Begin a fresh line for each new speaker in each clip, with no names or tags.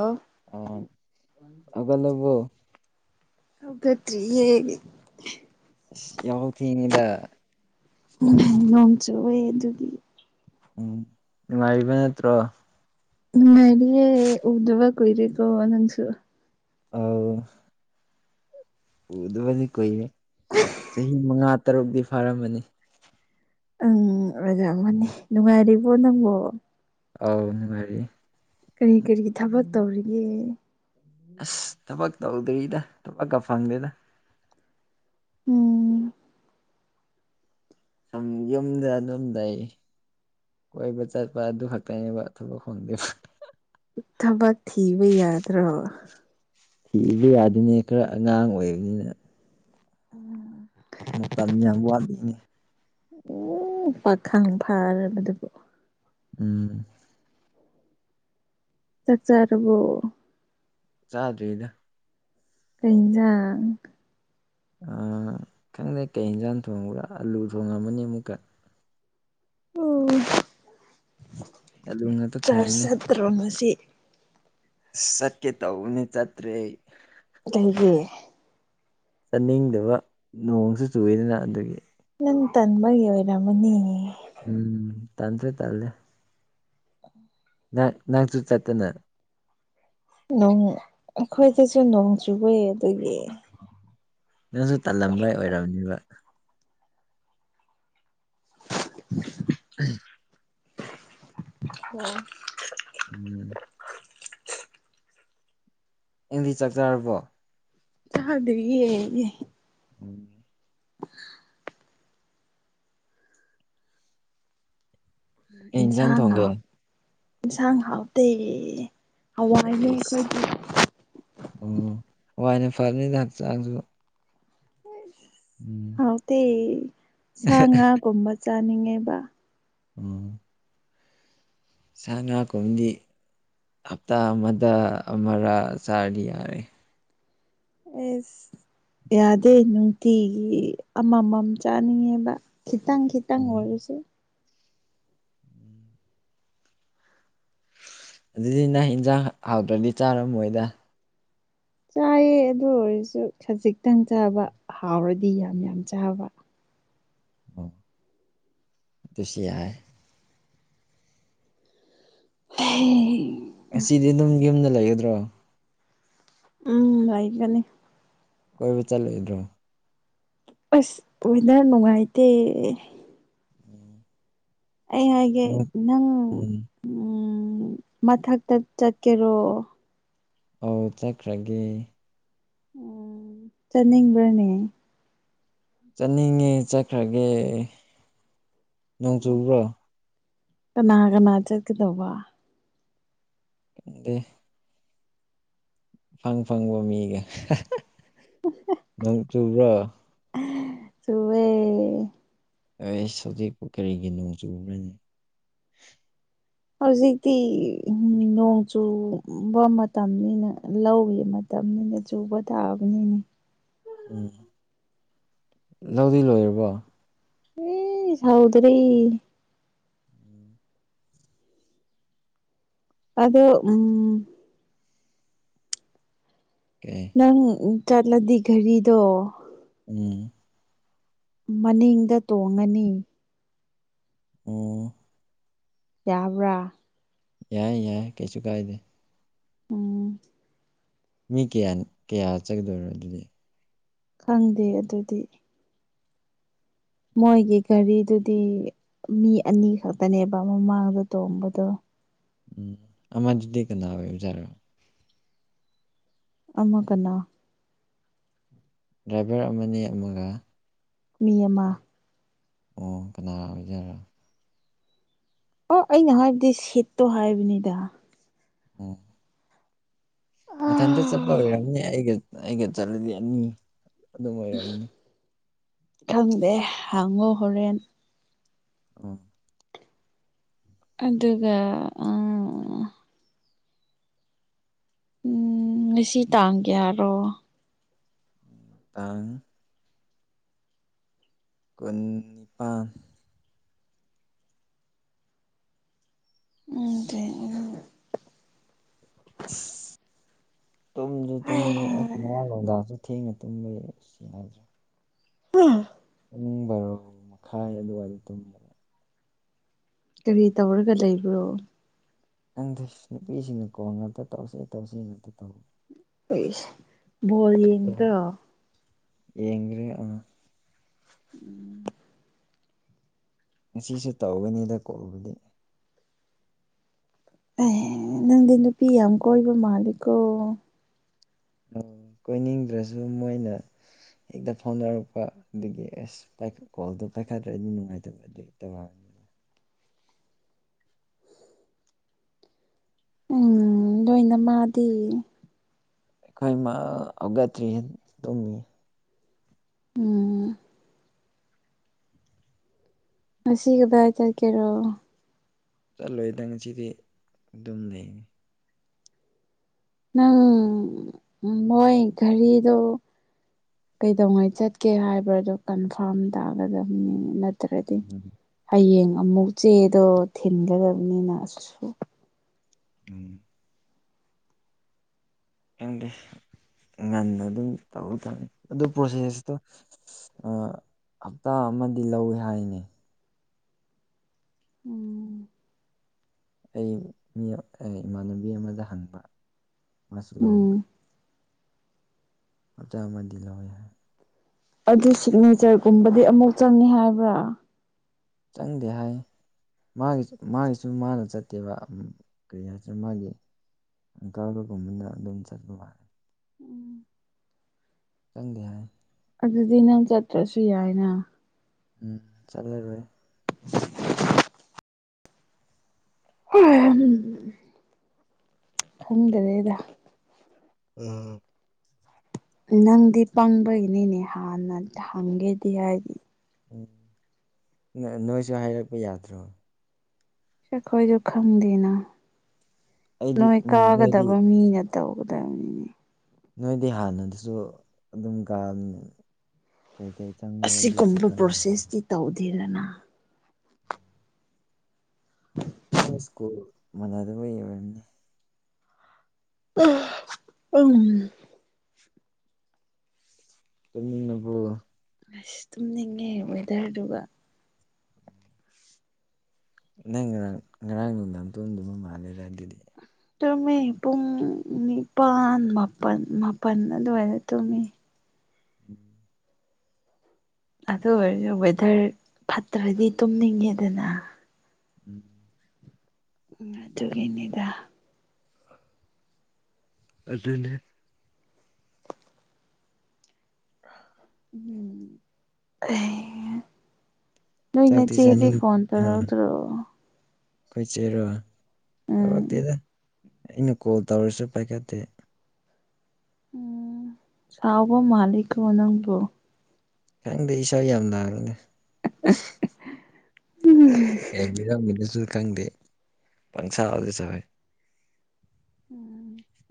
ꯑꯥ
ꯑꯥ ꯍꯧꯒꯠꯂꯕꯣ
ꯍꯧꯒꯠꯇ꯭ꯔꯤꯌꯦ ꯗꯤ
ꯌꯥꯍꯧ ꯊꯦꯡꯉꯤꯗ
ꯅꯣꯡ ꯆꯨꯋꯦ ꯑꯗꯨꯒꯤ
ꯎꯝ ꯅꯨꯡꯉꯥꯏꯔꯤꯕ ꯅꯠꯇ꯭ꯔꯣ
ꯅꯨꯡꯉꯥꯏꯔꯤꯌꯦ ꯎꯗꯕ ꯀꯣꯏꯔꯦꯀꯣ ꯅꯪꯁꯨ
ꯑꯧ ꯎꯗꯕꯗꯤ ꯀꯨꯏꯔꯦ ꯆꯍꯤ ꯃꯉꯥ ꯇꯔꯨꯛꯇꯤ ꯐꯥꯔꯝꯃꯅꯤ
ꯑꯪ ꯑꯣꯏꯔꯝꯃꯅꯤ ꯅꯨꯡꯉꯥꯏꯔꯤꯕꯣ ꯅꯪꯕꯣ
ꯑꯧ ꯅꯨꯡꯉꯥꯏꯔꯤ
ꯀꯔꯤ ꯀꯔꯤ ꯊꯕꯛ ꯇꯧꯔꯤꯒꯦ
ꯑꯁ ꯊꯕꯛ ꯇꯧꯗ꯭ꯔꯤꯗ ꯊꯕꯛꯀ ꯐꯪꯗꯦꯗ
ꯎꯝ
ꯁꯨꯝ ꯌꯨꯝꯗ ꯑꯗꯨꯝ ꯂꯩ ꯀꯣꯏꯕ ꯆꯠꯄ ꯑꯗꯨ ꯈꯛꯇꯅꯦꯕ ꯊꯕꯛ ꯐꯪꯗꯦꯕ
ꯊꯕꯛ ꯊꯤꯕ ꯌꯥꯗ꯭ꯔꯣ
ꯊꯤꯕ ꯌꯥꯗꯦꯅꯦ ꯈꯔ ꯑꯉꯥꯡ ꯑꯣꯏꯕꯅꯤꯅ
[unintelligible]
ꯃꯇꯝ ꯌꯥꯝ ꯋꯥꯠꯂꯤꯅꯦ
ꯎ ꯄꯥꯛꯈꯪ ꯐꯥꯔꯕꯗꯨꯕꯨ
ꯎꯝ
ꯆꯥꯛ ꯆꯥꯔꯕꯣ
ꯆꯥꯗ꯭ꯔꯤꯗ
ꯀꯩ ꯖꯤꯡꯖꯥꯡ
ꯑ ꯈꯪꯗꯦ ꯀꯩ ꯍꯤꯖꯥꯡ ꯊꯣꯡꯕ꯭ꯔꯥ ꯑꯂꯨ ꯊꯣꯡꯉꯝꯃꯅꯤ ꯑꯃꯨꯛꯀ
ꯎ
ꯑꯂꯨ ꯉꯥꯛꯇ
ꯀꯂꯥꯁ
ꯊꯣꯡꯉꯤꯅꯦ
ꯆꯠꯇ꯭ꯔꯣ ꯉꯁꯤ
ꯆꯠꯀꯦ ꯇꯧꯕꯅꯦ ꯆꯠꯇ꯭ꯔꯦ ꯑꯩ
ꯀꯩꯒꯤ
ꯆꯥꯅꯤꯡꯗꯕ ꯅꯣꯡꯁꯨ ꯆꯨꯏꯗꯅ ꯑꯗꯨꯒꯤ
ꯅꯪ ꯇꯟꯕꯒꯤ ꯑꯣꯏꯔꯝꯃꯅꯤꯅꯦ
ꯎꯝ ꯇꯥꯟꯁꯨ ꯇꯜꯂꯦ
[inaudible]
ꯅ ꯅꯪꯁꯨ ꯆꯠꯇꯅ
ꯅꯣꯡ ꯑꯈꯣꯏꯗꯁꯨ ꯅꯣꯡ ꯆꯨꯕꯩ ꯑꯗꯨꯒꯤ
ꯅꯪꯁꯨ ꯇꯥꯜꯂꯝꯕꯏꯩ ꯑꯣꯏꯔꯝꯅꯤꯕ
[inaudible]
[unintelligible]
[inaudible]
ꯎꯝ ꯑꯦꯡꯗꯤ ꯆꯥꯛ ꯆꯥꯔꯕꯣ
ꯆꯗ꯭ꯔꯤꯌꯦ ꯌꯦ
ꯎꯝ ꯀꯩ ꯏꯟꯖꯥꯡ
ꯏꯟꯁꯥꯡ
ꯊꯣꯡꯒꯦ
ꯍꯥꯎ ꯏꯟꯁꯥꯡ ꯍꯥꯎꯇꯦ ꯍꯋꯥꯏꯅꯦ
ꯑꯩꯁ
ꯑꯩꯈꯣꯏꯗꯤ
ꯎꯝ ꯋꯥꯏꯅ ꯐꯔꯅꯤꯗ ꯍꯛꯆꯥꯡꯁꯨ ꯎꯝ
ꯍꯥꯎꯇꯦ ꯁꯥ ꯉꯥꯒꯨꯝꯕ ꯆꯥꯅꯤꯡꯉꯦꯕ
ꯎꯝ ꯁꯥ ꯉꯥꯀꯨꯝꯕꯗꯤ ꯍꯞꯇꯥ ꯑꯃꯗ ꯑꯃꯔꯥꯛ ꯆꯥꯔꯗꯤ ꯌꯥꯔꯦ
ꯑꯦꯁ ꯌꯥꯗꯦ ꯅꯨꯡꯇꯤꯒꯤ ꯑꯃꯃꯝ ꯆꯥꯅꯤꯡꯉꯦꯕ ꯈꯤꯇꯪ ꯈꯤꯇꯪ
ꯎꯝ
ꯑꯣꯏꯔꯁꯨ
ꯑꯗꯨꯗꯤ ꯅꯪ ꯏꯟꯖꯥꯡ ꯍꯥꯎꯇ꯭ꯔꯗꯤ ꯆꯥꯔꯝꯃꯣꯏꯗ
ꯆꯥꯏꯌꯦ ꯑꯗꯨ ꯑꯣꯏꯔꯖꯨ ꯈꯖꯤꯛꯇꯪ ꯆꯥꯕ ꯍꯥꯎꯔꯗꯤ ꯌꯥꯝ ꯌꯥꯝ ꯌꯥꯝ ꯆꯥꯕ
ꯑꯣ ꯑꯗꯨꯁꯨ ꯌꯥꯏ
ꯍꯥꯏ
ꯑꯁꯤꯗꯤ ꯑꯗꯨꯝ ꯌꯨꯝꯗ ꯂꯩꯒꯗ꯭ꯔꯣ
ꯎꯝ ꯂꯩꯒꯅꯤ
ꯀꯣꯏꯕ ꯆꯠꯂꯣꯏꯗ꯭ꯔꯣ
ꯑꯁ ꯋꯦꯗ꯭ꯔ ꯅꯨꯡꯉꯥꯏꯇꯦ
ꯎꯝ
ꯑꯩ ꯍꯥꯏꯒꯦ ꯅꯪ
ꯎꯝ
ꯎꯝ ꯃꯊꯛꯇ ꯆꯠꯀꯦꯔꯣ
ꯑꯧ ꯆꯠꯈ꯭ꯔꯒꯦ
ꯎꯝ ꯆꯅꯤꯡꯕ꯭ꯔꯥꯅꯦ
ꯆꯠꯅꯤꯡꯉꯦ ꯆꯠꯈ꯭ꯔꯒꯦ ꯅꯣꯡ ꯆꯨꯕ꯭ꯔꯣ
ꯀꯅꯥ ꯀꯅꯥ ꯆꯠꯀꯗꯧꯕ
ꯈꯪꯗꯦ ꯐꯪ ꯐꯪꯕ ꯃꯤꯒ
[unintelligible]
ꯅꯣꯡ ꯆꯨꯕ꯭ꯔꯣ
ꯆꯨꯋꯦ
ꯑꯩꯁ ꯍꯧꯖꯤꯛꯄꯣ ꯀꯔꯤꯒꯤ ꯅꯣꯡ ꯆꯨꯕ꯭ꯔꯥꯅꯦ
ꯍꯧꯖꯤꯛꯇꯤ ꯎꯝ ꯅꯣꯡ ꯆꯨꯕ ꯃꯇꯝꯅꯤꯅ ꯂꯧꯒꯤ ꯃꯇꯝꯅꯤꯅ ꯆꯨꯕ ꯇꯥꯕꯅꯤꯅꯦ
ꯎꯝ ꯂꯧꯗꯤ ꯂꯣꯏꯔꯕꯣ
ꯏꯁ ꯍꯧꯗ꯭ꯔꯤ
ꯎꯝ
ꯑꯗꯣ ꯎꯝ
ꯀꯩ
ꯅꯪ ꯆꯠꯂꯗꯤ ꯘꯥꯔꯤꯗꯣ
ꯎꯝ
ꯃꯅꯤꯡꯗ ꯇꯣꯡꯉꯅꯤ
ꯑꯣ
ꯌꯥꯕ꯭ꯔꯥ
ꯌꯥꯏ ꯌꯥꯏ ꯀꯩꯁꯨ ꯀꯥꯏꯗꯦ
ꯎꯝ
ꯃꯤ ꯀꯌꯥ ꯀꯌꯥ ꯆꯠꯀꯗꯣꯏꯂꯣ ꯑꯗꯨꯗꯤ
ꯈꯪꯗꯦ ꯑꯗꯨꯗꯤ ꯃꯣꯏꯒꯤ
ꯎꯝ
ꯒꯥꯔꯤꯗꯨꯗꯤ ꯃꯤ ꯑꯅꯤ ꯈꯛꯇꯅꯦꯕ ꯃꯃꯥꯡꯗ ꯇꯣꯡꯕꯗꯣ
ꯎꯝ ꯑꯃꯗꯨꯗꯤ ꯀꯅꯥ ꯑꯣꯏꯕꯖꯥꯠꯔꯣ
ꯑꯃ ꯀꯅꯥ?
ꯗ꯭ꯔꯥꯏꯚꯔ ꯑꯃ ꯅꯦꯛꯑꯃꯝꯒ
ꯃꯤ ꯑꯃ
ꯑꯣ ꯀꯅꯥ ꯑꯣꯏꯖꯅꯣ꯫
ꯑꯣ ꯑꯩꯅ ꯍꯥꯏꯕꯗꯤ ꯁꯤꯠꯇꯣ ꯍꯥꯏꯕꯅꯤꯗ꯫
ꯑꯣ꯫ ꯃꯊꯟꯇ ꯆꯠꯄ ꯑꯣꯏꯔꯝꯅꯤ ꯑꯩꯒ ꯑꯩꯒ ꯆꯠꯂꯗꯤ ꯑꯅꯤ ꯑꯗꯨꯝ ꯑꯣꯏꯔꯝꯅꯤ꯫
ꯈꯪꯗꯦ ꯍꯪꯉꯣ ꯍꯣꯔꯦꯟ꯫
ꯎꯝ꯫
ꯑꯗꯨꯒ ꯎꯝ ꯎꯝ ꯉꯁꯤ ꯇꯥꯡ ꯀꯌꯥꯔꯣ?
ꯇꯥꯡ ꯀꯨꯟ ꯅꯤꯄꯥꯟ꯫
[unintelligible]
ꯑꯁ ꯇꯨꯝꯖꯨ ꯇꯨꯝꯅꯤꯡꯉꯦ ꯑꯦ ꯉꯔꯥꯡ ꯅꯨꯡꯗꯥꯡꯖꯨ ꯊꯦꯡꯅ ꯇꯨꯝꯕꯩ ꯑꯁ ꯌꯥꯗ꯭ꯔꯦ꯫
[unintelligible]
ꯄꯨꯡ ꯕꯥꯔꯣ ꯃꯈꯥꯏ ꯑꯗꯨꯋꯥꯏꯗ ꯇꯨꯝꯕ꯫
ꯀꯔꯤ ꯇꯧꯔꯒ ꯂꯩꯕ꯭ꯔꯣ?
ꯅꯨꯄꯤꯁꯤꯡꯅ ꯀꯣꯜ ꯉꯥꯛꯇ ꯇꯧꯁꯦ-ꯇꯧꯁꯦ ꯉꯥꯛꯇ ꯇꯧ
ꯎꯏꯁ ꯕꯣꯜ ꯌꯦꯡ
ꯌꯦꯡꯒ꯭ꯔꯦ ꯑꯥ
ꯎꯝ꯫
ꯉꯁꯤꯁꯨ ꯇꯧꯒꯅꯤꯗ ꯀꯣꯜꯕꯨꯗꯤ꯫
ꯑꯦ ꯅꯪꯗꯣ ꯅꯨꯄꯤ ꯌꯥꯝ ꯀꯣꯏꯕ ꯃꯥꯜꯂꯤꯀꯣ?
ꯑꯣ ꯀꯣꯏꯅꯤꯡꯗ꯭ꯔꯁꯨ ꯃꯣꯏꯅ ꯍꯦꯛꯇ ꯐꯥꯎꯅꯔꯛꯄ ꯑꯗꯨꯒꯤ ꯑꯁ ꯄꯥꯈꯠ ꯀꯣꯜꯗꯣ ꯄꯥꯏꯈꯠꯇ꯭ꯔꯗꯤ ꯅꯨꯡꯉꯥꯏꯇꯕ ꯑꯗꯨꯏ [unintelligible]
ꯎꯝ ꯅꯣꯏ ꯅꯃꯥꯗꯤ?
ꯑꯩꯈꯣꯏ ꯃꯥ ꯍꯧꯒꯠꯇ꯭ꯔꯤꯌꯦ ꯇꯨꯝꯃꯤꯌꯦ꯫
ꯎꯝ꯫ ꯉꯁꯤ ꯀꯗꯥꯏ ꯆꯠꯀꯦꯔꯣ?
ꯆꯠꯂꯣꯏꯗꯪ ꯉꯁꯤꯗꯤ ꯑꯗꯨꯝ ꯂꯩꯅꯤ꯫
ꯅꯪ ꯃꯣꯏ ꯘꯥꯔꯤꯗꯣ ꯀꯩꯗꯧꯉꯩ ꯆꯠꯀꯦ ꯍꯥꯏꯕꯗꯣ ꯀꯟꯐꯥꯔꯝ ꯇꯥꯒꯗꯕꯅꯤꯅꯦ ꯅꯠ ꯇ꯭ꯔꯗꯤ
ꯎꯝ
ꯍꯌꯦꯡ ꯑꯃꯨꯛ ꯆꯦꯗꯣ ꯊꯤꯟꯒꯗꯕꯅꯤꯅ ꯑꯁꯨ
ꯎꯝ꯫ ꯈꯪꯗꯦ ꯉꯟꯅ ꯑꯗꯨꯝ ꯇꯧ ꯇꯥꯕꯅꯤ ꯑꯗꯨ ꯄ꯭ꯔꯣꯁꯦꯁꯇꯣ ꯑꯥ ꯍꯞꯇꯥ ꯑꯃꯗꯤ ꯂꯧꯏ ꯍꯥꯏꯅꯦ꯫
ꯎꯝ꯫
ꯑꯩ ꯃꯤ ꯏꯃꯥꯟꯅꯕꯤ ꯑꯃꯗ ꯍꯪꯕ ꯃꯥꯁꯨ ꯂꯧꯕ꯫
ꯎꯝ
ꯑꯞꯇꯥ ꯑꯃꯗꯤ ꯂꯧꯋꯦ ꯍꯥꯏ꯫
ꯑꯗꯨ ꯁꯤꯒꯅꯦꯆꯔꯒꯨꯝꯕꯗꯤ ꯑꯃꯨꯛ ꯆꯪꯉꯦ ꯍꯥꯏꯕ꯭ꯔꯥ?
ꯆꯪꯗꯦ ꯍꯥꯏ꯫ ꯃꯥꯒꯤ ꯃꯥꯒꯤꯁꯨ ꯃꯥꯅ ꯆꯠꯇꯦꯕ ꯀꯔꯤ ꯍꯥꯏꯁꯤꯅ ꯃꯥꯒꯤ ꯀꯕꯒꯨꯝꯕꯅ ꯑꯗꯨꯝ ꯆꯠꯄ ꯃꯥꯜꯂꯤ꯫
ꯎꯝ
ꯆꯪꯗꯦ ꯍꯥꯏ
ꯑꯗꯨꯗꯤ ꯅꯪ ꯆꯠꯇ꯭ꯔꯁꯨ ꯌꯥꯏꯅ
ꯎꯝ ꯆꯠꯂꯔꯣꯏ
[unintelligible] [unintelligible] ꯈꯪꯗꯔꯦꯗ
ꯎꯝ
ꯅꯪꯗꯤ ꯄꯪꯕꯒꯤꯅꯤꯅꯦ ꯍꯥꯟꯅ ꯍꯪꯒꯦꯗꯤ ꯍꯥꯏꯗꯤ
ꯎꯝ ꯅꯣꯏꯁꯨ ꯍꯥꯏꯔꯛꯄ ꯌꯥꯗ꯭ꯔꯣ
ꯑꯈꯣꯏꯁꯨ ꯈꯪꯗꯦꯅ
ꯑꯩꯗꯤ
ꯅꯣꯏ
ꯎꯝ ꯅꯣꯏꯗꯤ
ꯀꯥꯒꯗꯕ ꯃꯤꯅ ꯇꯧꯒꯗꯕꯅꯤꯅꯦ
ꯅꯣꯏꯗꯤ ꯍꯥꯟꯅꯗꯁꯨ ꯑꯗꯨꯝ ꯒꯥꯡ ꯀꯩꯀꯩ ꯆꯪꯕꯅꯣ ꯑꯗꯨꯁꯨ
ꯑꯁꯤꯒꯨꯝꯕ
ꯈꯪꯉꯤꯅ
ꯄ꯭ꯔꯣꯁꯦꯁꯇꯤ ꯇꯧꯗꯦꯗꯅ [inaudible]
ꯑꯩꯅ ꯁ꯭ꯀꯨꯜ ꯃꯅꯥꯗꯕꯩ ꯑꯣꯢꯔꯝꯅꯤ
[unintelligible]
ꯇꯨꯝꯅꯤꯡꯉꯕꯣ
ꯑꯁ ꯇꯨꯝꯅꯤꯡꯉꯦ ꯋꯦꯗꯔꯗꯨꯒ
ꯅꯪ ꯉꯔꯥꯡ ꯉꯔꯥꯡ ꯅꯨꯡꯗꯥꯡ ꯇꯨꯝꯗꯨꯕ ꯃꯥꯜꯂꯦꯔꯥ ꯑꯗꯨꯗꯤ
ꯇꯨꯝꯃꯤ ꯄꯨꯡ ꯅꯤꯄꯥꯜ ꯃꯥꯄꯜ ꯃꯥꯄꯜ ꯑꯗꯨꯋꯥꯏꯗ ꯇꯨꯝꯃꯤ
[inaudible]
ꯑꯗꯨ ꯑꯣꯏꯔꯁꯨ ꯋꯦꯗꯔ ꯐꯠꯇ꯭ꯔꯗꯤ ꯇꯨꯝꯅꯤꯡꯉꯦꯗꯅ
ꯎꯝ
ꯎꯝ ꯑꯗꯨꯒꯤꯅꯤꯗ
ꯑꯗꯨꯅꯦ [unintelligible]
[unintelligible] ꯅꯣꯏ
ꯆꯥꯛꯇꯤ
ꯅꯆꯦꯗꯤ ꯐꯣꯟ ꯇꯧꯔꯛꯇ꯭ꯔꯣ
ꯈꯣꯏ ꯆꯦꯔꯣ
ꯎꯝ
ꯇꯧꯔꯛꯇꯦꯗ ꯑꯩꯅ ꯀꯣꯜ ꯇꯧꯔꯁꯨ ꯄꯥꯏꯈꯠꯇꯦ
ꯎꯝ ꯁꯥꯎꯕ ꯃꯥꯂꯤꯀꯣ ꯅꯪꯕꯣ
ꯈꯪꯗꯦ ꯏꯁꯥꯎ ꯌꯥꯝ ꯅꯥꯏꯅꯦ ꯀꯩꯕꯤꯔꯝꯃꯤꯅꯁꯨ ꯈꯪꯗꯦ ꯄꯪꯁꯥꯎꯗ ꯁꯥꯎꯋꯦ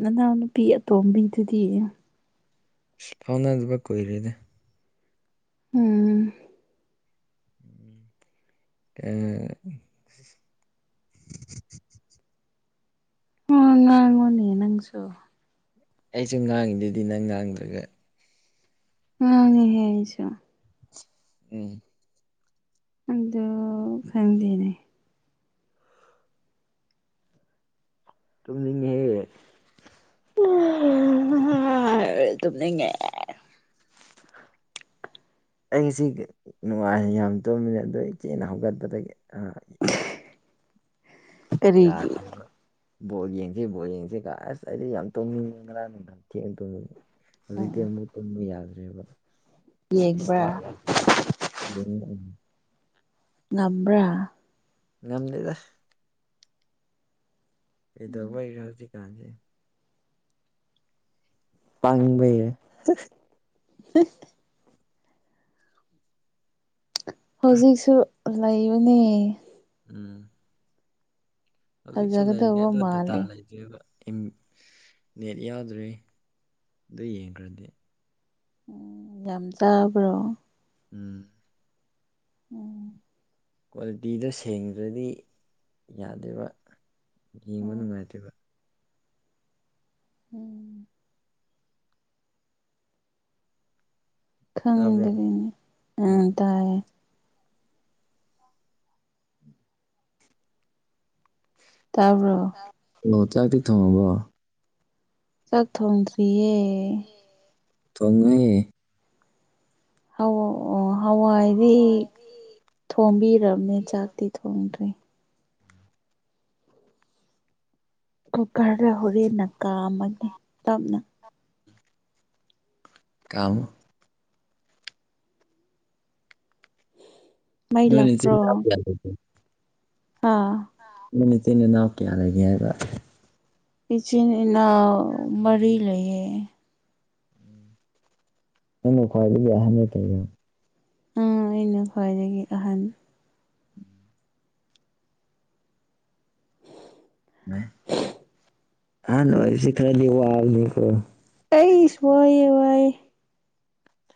ꯅꯅꯥꯎ ꯅꯨꯄꯤ ꯑꯇꯣꯝꯕꯤꯗꯨꯗꯤ
ꯁꯤ ꯐꯥꯎꯅꯗꯕ ꯀꯨꯏꯔꯦꯗ
ꯎꯝ
ꯑꯥ
ꯉꯥꯡꯉꯣꯅꯦ ꯅꯪꯁꯨ
ꯑꯩꯁꯨ ꯉꯥꯡꯉꯤꯗꯨꯗꯤ ꯅꯪ ꯉꯥꯡꯗ꯭ꯔꯒ
[unintelligible]
ꯎꯝ
ꯑꯗꯨ ꯈꯪꯗꯦꯅꯦ
ꯇꯨꯝꯅꯤꯡꯉꯦꯍꯦ
[unintelligible] ꯇꯨꯝꯅꯤꯉꯦ
ꯑꯩ ꯉꯁꯤ ꯅꯨꯡꯉꯥꯏ ꯌꯥꯝ ꯇꯣꯃꯤꯅꯤ ꯑꯗꯣ ꯊꯦꯡꯅ ꯍꯧꯒꯠꯄꯗꯒꯤ
[inaudible]
ꯌꯥꯗ꯭ꯔꯦꯕ ꯕꯣꯟ ꯌꯦꯡꯁꯦ ꯕꯣꯔ ꯌꯦꯡꯁꯦ ꯀ ꯑꯁ ꯑꯩꯁꯦ ꯌꯥꯝ ꯇꯣꯡꯅꯤꯡꯉꯦ ꯉꯥꯔꯥꯡ ꯅꯨꯡꯗꯥꯡ ꯊꯦꯡꯅ ꯇꯣꯡꯅꯤꯡꯉꯦ ꯍꯧꯖꯤꯛꯇꯤ ꯑꯃꯨ ꯇꯨꯝꯉ ꯌꯥꯗ꯭ꯔꯦꯕꯇꯥ
ꯌꯦꯡꯕ꯭ꯔꯥ
ꯎꯝ
ꯉꯝꯕꯔꯥ
ꯉꯝꯗꯦꯗ ꯀꯩꯗꯧꯕꯩꯔꯥ ꯍꯧꯖꯤꯛꯀꯥꯟꯁꯦ ꯄꯥꯡꯕꯩꯔ
ꯍ [inaudible] ꯍꯧꯖꯤꯛꯁꯨ ꯂꯩꯕꯅꯦ
ꯎꯝ ꯍꯧꯖꯤꯛꯁꯨ ꯂꯩꯔꯤꯅꯦ
ꯐꯖꯒꯗꯧꯕ
ꯑꯗꯨ ꯗꯥꯇ
ꯃꯥꯜꯂꯦ
ꯂꯩ ꯅꯦꯠ ꯌꯥꯎꯗ꯭ꯔꯦ ꯑꯗꯨ ꯌꯦꯡꯈ꯭ꯔꯗꯤ
ꯎ ꯌꯥꯝ ꯇꯥꯕ꯭ꯔꯣ
ꯎꯝ
ꯎꯝ
ꯀ꯭ꯋꯥꯂꯤꯇꯤꯗꯣ ꯁꯦꯡꯗ꯭ꯔꯗꯤ ꯌꯥꯗꯦꯕ ꯌꯦꯡꯕ
ꯎꯝ
ꯅꯨꯡꯉꯥꯏꯇꯦꯕ
ꯎꯝ
ꯇꯥꯕ꯭ꯔꯣ
ꯈꯪꯗꯔꯤꯅꯦ ꯑ
ꯎꯝ
ꯇꯥꯏ ꯇꯥꯕꯔꯣ
ꯑꯣ ꯆꯥꯛꯇꯤ ꯊꯣꯡꯉꯕꯣ
ꯆꯥꯛ ꯊꯣꯡꯗ꯭ꯔꯤꯌꯦ
ꯊꯣꯡꯉꯦ
ꯑꯣ ꯍꯋꯥꯏꯗꯤ
ꯍꯋꯥꯏꯗꯤ
ꯊꯣꯡꯕꯤꯔꯝꯅꯦ ꯆꯥꯛꯇꯤ ꯊꯣꯡꯗ꯭ꯔꯔꯤ ꯀꯨꯀꯔꯗ ꯍꯣꯔꯦꯟꯅ ꯀꯥꯝꯃꯅꯤ ꯇꯞꯅ
ꯀꯃꯣ
ꯃꯩ
ꯅꯣꯏ ꯃꯆꯤꯟ ꯅꯥꯎ ꯀꯌꯥ ꯂꯩꯒꯦ
ꯍꯥ
ꯅꯣꯏ ꯅꯆꯤꯟꯅꯥꯎ ꯀꯌꯥ ꯂꯩꯒꯦ ꯍꯥꯏꯕ
ꯏꯆꯤꯟ ꯏꯅꯥꯎ ꯃꯔꯤ ꯂꯩꯌꯦ
ꯅꯪꯅ ꯈ꯭ꯋꯥꯏꯒꯤ ꯑꯍꯟ ꯅꯥꯠꯇꯕ
ꯎꯝ ꯑꯩꯅ ꯈ꯭ꯋꯥꯏꯗꯒꯤ ꯑꯍꯟ
[unintelligible] ꯁꯤꯀꯔꯗꯤ ꯋꯥꯕꯅꯤꯀꯣ
ꯀꯩꯁ ꯋꯥꯏ ꯋꯥꯏ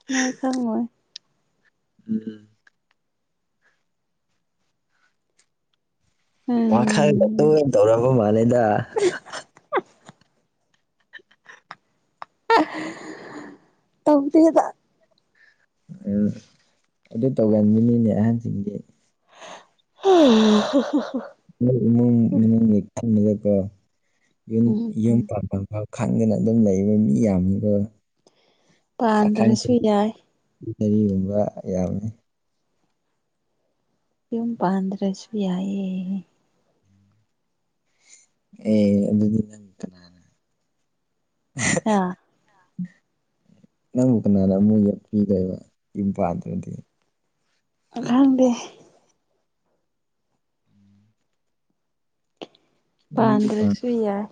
ꯅꯣꯏ ꯈꯥꯡꯑꯣꯏ
ꯎꯝ ꯎꯝ ꯋꯥꯈꯥꯜ
ꯎꯝ
ꯇꯣꯏ ꯇꯧꯔꯕ ꯃꯥꯜꯂꯦꯗ
ꯇꯧꯗꯦꯗ
ꯎꯝ ꯑꯗꯨ ꯇꯧꯒꯟꯕꯅꯤꯅꯦ ꯑꯍꯟꯁꯤꯡꯒꯤꯗꯤ
ꯑꯣ ꯍ ꯍ ꯍ
ꯌ ꯌ ꯊ
ꯎꯝ
[unintelligible] ꯈꯪꯗꯅ ꯑꯗꯨꯝ ꯂꯩꯕ ꯃꯤ ꯌꯥꯝꯃꯒ ꯄꯥꯈ
ꯄꯥꯟꯗ꯭ꯔꯁꯨ
[unintelligible]
ꯌꯥꯏ
ꯒꯨꯝꯕ ꯌꯥꯝꯃꯤ
ꯌꯨꯝ ꯄꯥꯟꯗ꯭ꯔꯁꯨ ꯌꯥꯏꯌꯦ
ꯑꯦ ꯑꯗꯨꯗꯤ ꯅꯪ ꯀꯅꯥꯅ
ꯑꯥ
ꯅꯪꯕꯨ ꯀꯅꯥꯅ ꯑꯃꯛ ꯌꯣꯛꯄꯤꯗꯣꯏꯕ ꯌꯨꯝ ꯄꯥꯟꯗ꯭ꯔꯗꯤ
ꯑꯥ ꯈꯪꯗꯦ
ꯌꯨꯝꯗꯤ ꯄꯥꯟ
ꯄꯗ꯭ꯔꯖꯨ ꯌꯥꯏ